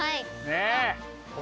ねえ！